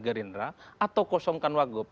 gerindra atau kosongkan wagub